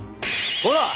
ほら！